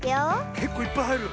けっこういっぱいはいる。